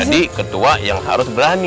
jadi ketua yang harus berani